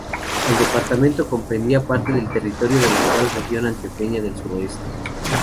El departamento comprendía parte del territorio de la actual región antioqueña del Suroeste.